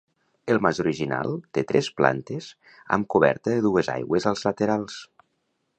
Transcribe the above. El mas original té tres plantes amb coberta de dues aigües als laterals.